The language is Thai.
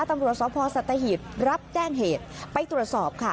ตำรวจสพสัตหีบรับแจ้งเหตุไปตรวจสอบค่ะ